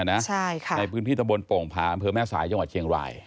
ในพื้นที่ตะบนโป่งผาอำเภอแม่สายจังหวัดเชียงราย